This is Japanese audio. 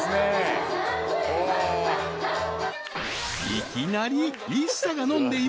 ［いきなり］